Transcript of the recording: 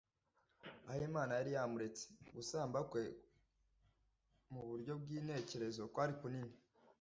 aho Imana yari yamuretse. Gusamba kwe mu buryo bw'intekerezo kwari kunini